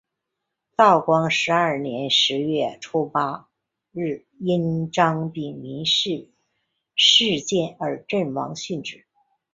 道光十二年十月初八日因张丙民变事件而阵亡殉职。